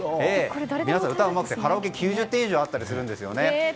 皆さん、歌うまくてカラオケで９０点以上出たりするんです。